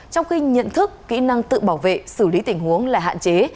trong khi nhận thức kỹ năng tự bảo vệ xử lý tình huống là hạn chế